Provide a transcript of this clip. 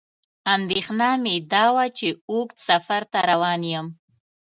اندېښنه مې دا وه چې اوږد سفر ته روان یم.